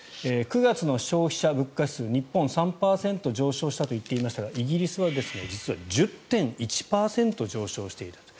９月の消費者物価指数日本は３％上昇したと言っていましたがイギリスは実は１０．１％上昇していたと。